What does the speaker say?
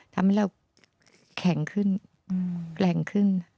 ทำให้เราแข็งขึ้นแกร่งขึ้น